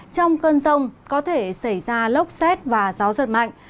trong cơn rông có thể xảy ra lốc xét và gió giật mạnh